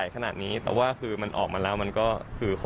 ข้อที่๕คืออะไรนะครับ